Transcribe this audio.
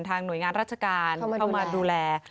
หน่วยงานราชการเข้ามาดูแล